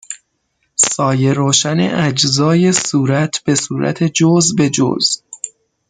سایه روشن اجزای صورت به صورت جزء به جزء